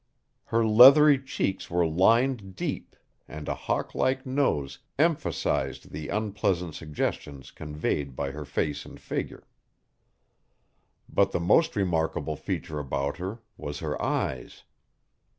Her leathery cheeks were lined deep, and a hawk like nose emphasized the unpleasant suggestions conveyed by her face and figure. But the most remarkable feature about her was her eyes.